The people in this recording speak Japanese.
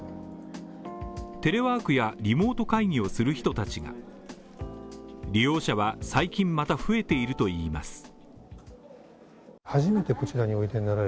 テレワークやリモート会議をする人たちが利用者は、最近また増えているといいます。